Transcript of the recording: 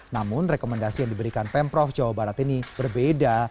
namun rekomendasi yang diberikan pemprov jawa barat ini berbeda